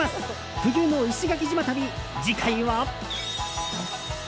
冬の石垣島旅、次回は。